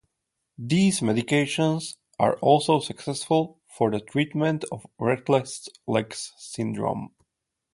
These medications are also successful for the treatment of restless legs syndrome.